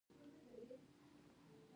له مور او پلار سره په نیکۍ چلند کوه